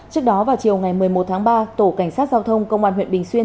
trước đó vào chiều ngày một mươi một tháng ba tổ cảnh sát giao thông công an huyện bình xuyên